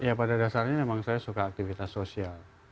ya pada dasarnya memang saya suka aktivitas sosial